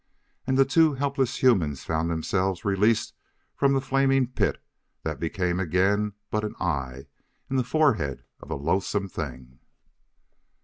And the two helpless humans found themselves released from the flaming pit that became again but an eye in the forehead of a loathsome thing.